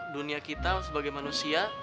dunia kita sebagai manusia